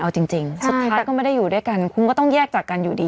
เอาจริงสุดท้ายก็ไม่ได้อยู่ด้วยกันคุณก็ต้องแยกจากกันอยู่ดี